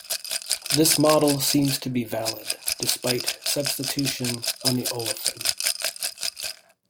This model seems to be valid despite substitution on the olefin.